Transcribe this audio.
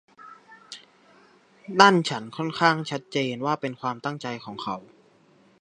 นั่นฉันค่อนข้างชัดเจนว่าเป็นความตั้งใจของเขา